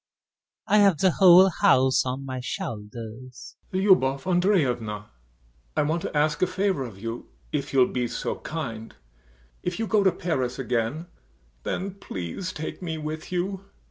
I've the whole house on my shoulders. YASHA. [To LUBOV ANDREYEVNA] Lubov Andreyevna! I want to ask a favour of you, if you'll be so kind! If you go to Paris again, then please take me with you.